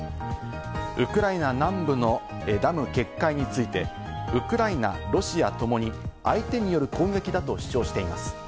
ウクライナ南部のダム決壊について、ウクライナ、ロシアともに相手による攻撃だと主張しています。